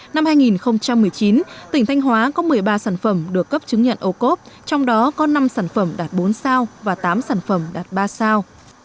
năm hai nghìn một mươi chín tỉnh thanh hóa có một mươi ba sản phẩm được cấp chứng nhận ô cốp trong đó có năm sản phẩm đạt bốn sao và tám sản phẩm đạt ba sao